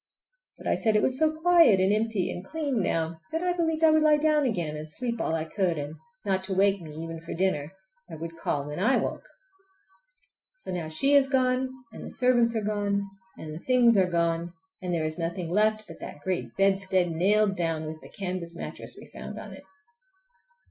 But I said it was so quiet and empty and clean now that I believed I would lie down again and sleep all I could; and not to wake me even for dinner—I would call when I woke. So now she is gone, and the servants are gone, and the things are gone, and there is nothing left but that great bedstead nailed down, with the canvas mattress we found on it.